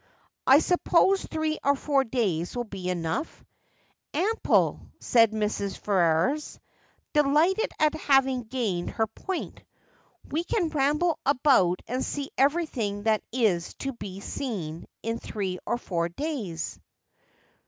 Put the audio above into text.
I suppose three or four days will be enough ?'' Ample,' said Mrs. Ferrers, delighted at having gained her point. ' We can ramble about and see everything that is to be seen in three or four days.'